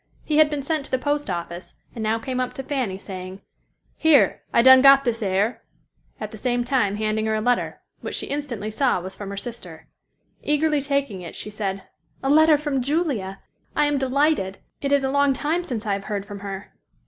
He had been sent to the post office and now came up to Fanny, saying, "Here, I done got this air," at the same time handing her a letter, which she instantly saw was from her sister. Eagerly taking it, she said, "A letter from Julia. I am delighted. It is a long time since I have heard from her."